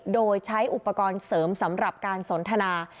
โดยใช้อุปกรณ์เสริมสำหรับการสนทนา